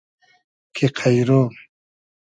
کی قݷرۉ